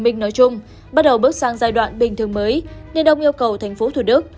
mình nói chung bắt đầu bước sang giai đoạn bình thường mới nên ông yêu cầu tp thủ đức